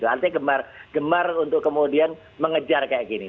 artinya gemar untuk kemudian mengejar kayak gini